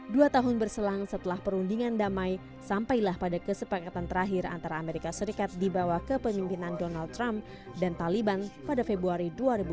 dua tahun berselang setelah perundingan damai sampailah pada kesepakatan terakhir antara amerika serikat dibawah kepemimpinan donald trump dan taliban pada februari dua ribu dua puluh